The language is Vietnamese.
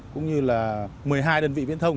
cũng như là một mươi hai đơn vị viễn thông